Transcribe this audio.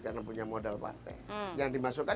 karena punya modal partai yang dimasukkan